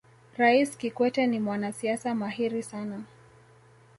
raisi kikwete ni mwanasiasa mahiri sana